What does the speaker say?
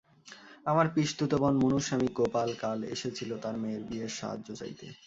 আমার পিসতুত বোন মুনুর স্বামী গোপাল কাল এসেছিল তার মেয়ের বিয়ের সাহায্য চাইতে।